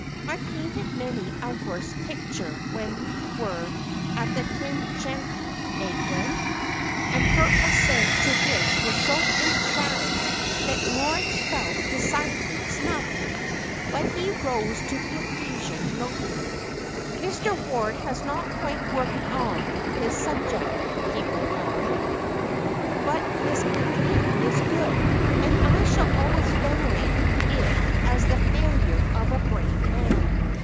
"I painted many a worse picture when we were at the Tin Shanty, eh, Gwen?" And her assent to this was so emphatic that Moritz felt decidedly snubbed; but he rose to the occasion nobly. "Mr. Ward has not quite worked out his subject," he went on; "but his idea is good, and I shall always venerate it as the failure of a brave man.